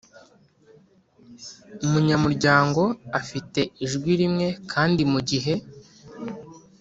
Munyamuryango Afite Ijwi Rimwe Kandi Mu Gihe